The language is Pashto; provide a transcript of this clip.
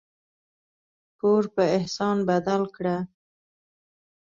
پور په احسان بدل کړه.